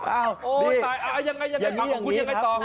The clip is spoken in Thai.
อ้าวตายยังไงต่อของคุณยังไงต่อ